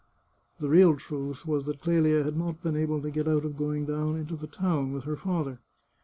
The real truth was that Clelia had not been able to get out of going down into the town with her father.